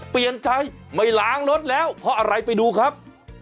เปลี่ยนใจไม่ล้างรถแล้วเพราะอะไรไปดูครับ